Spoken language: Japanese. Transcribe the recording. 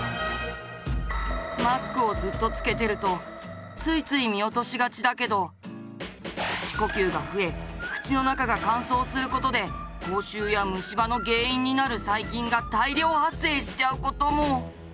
マスクをずっとつけてるとついつい見落としがちだけど口呼吸が増え口の中が乾燥する事で口臭や虫歯の原因になる細菌が大量発生しちゃう事も。